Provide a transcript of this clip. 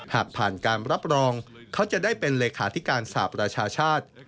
หากผ่านการรับรองเขาจะได้เป็นเลขาธิการสหประชาชาติ